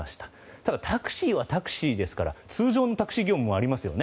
ただ、タクシーはタクシーですから通常のタクシー業務もありますよね。